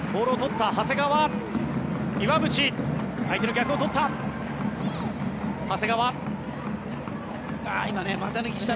岩渕、相手の逆を取った。